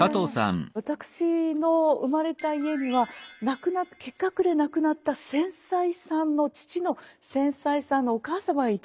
私の生まれた家には結核で亡くなった先妻さんの父の先妻さんのお母様がいたんです。